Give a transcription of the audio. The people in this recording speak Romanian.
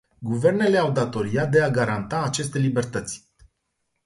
Guvernele au datoria de a garanta aceste libertăți.